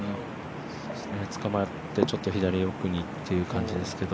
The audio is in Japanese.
捕まって、ちょっと左奥にという感じですけど。